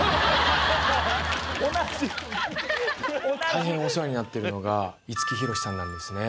大変お世話になってるのが五木ひろしさんなんですね。